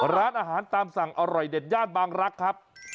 ร้านอาหารตามสั่งอร่อยเด็ดย่านบางรักครับ